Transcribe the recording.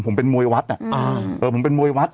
ผมเป็นมวยวัฒน์ผมเป็นมวยวัฒน์